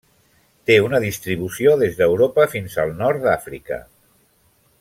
Té una distribució des d'Europa fins al nord d'Àfrica.